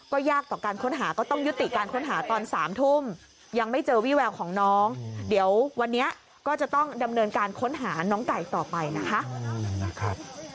ก็ยากต่อการค้นหาก็ต้องยุติการค้นหาตอน๓ทุ่มยังไม่เจอวี่แววของน้องเดี๋ยววันนี้ก็จะต้องดำเนินการค้นหาน้องไก่ต่อไปนะคะ